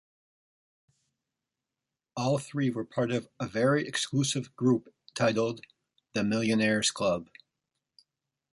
All three were part of a very exclusive group titled "the Millionaires' Club".